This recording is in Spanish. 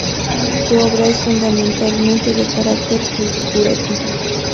Su obra es fundamentalmente de carácter figurativo.